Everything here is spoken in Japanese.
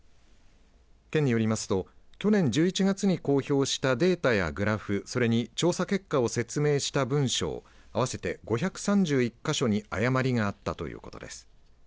県によりますと去年１１月に公表したデータやグラフ、それに調査結果を説明した文章合わせて５３１か所に誤りがあったということです。